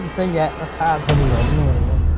สะแยะรักษาสะเบื่อทุกอย่างนี้